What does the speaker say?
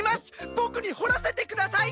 ボクに掘らせてください！